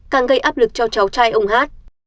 càng gây áp lực cho cháu trai ông h h